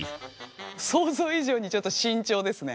想像以上にちょっと慎重ですね。